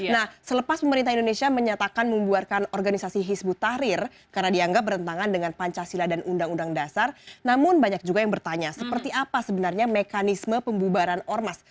nah selepas pemerintah indonesia menyatakan membuarkan organisasi hizbut tahrir karena dianggap bertentangan dengan pancasila dan undang undang dasar namun banyak juga yang bertanya seperti apa sebenarnya mekanisme pembubaran ormas